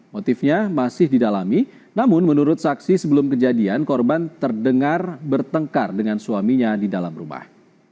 motifnya masih didalami namun menurut saksi sebelum kejadian korban terdengar bertengkar dengan suaminya di dalam rumah